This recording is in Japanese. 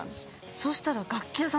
そしたら。